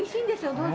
どうぞ。